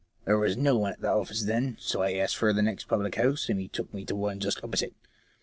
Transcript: There was no one at the office then, so I asked for the next public house, and he took me to one just opposite.